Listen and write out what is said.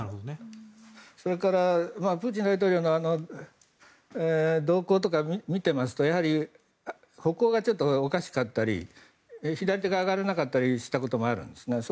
それからプーチン大統領の動向とか見ていますとやはり歩行がちょっとおかしかったり左手が上がらなかったりしたこともあったんですね。